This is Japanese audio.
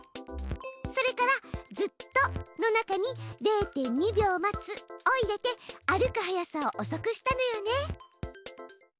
それから「ずっと」の中に「０．２秒待つ」を入れて歩く速さをおそくしたのよね。